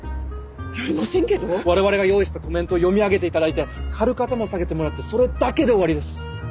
われわれが用意したコメントを読み上げていただいて軽く頭を下げてもらってそれだけで終わりです。